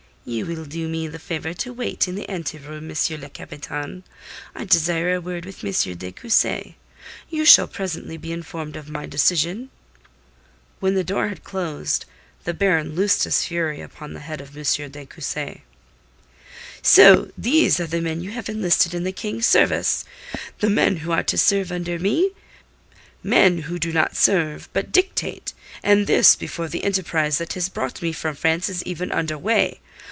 "You will do me the favour to wait in the ante room, M. le Capitaine. I desire a word with M. de Cussy. You shall presently be informed of my decision." When the door had closed, the baron loosed his fury upon the head of M. de Cussy. "So, these are the men you have enlisted in the King's service, the men who are to serve under me men who do not serve, but dictate, and this before the enterprise that has brought me from France is even under way!